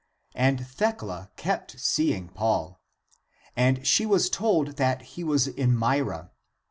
And Thecla kept seeking Paul. And she was told that he was in Myra.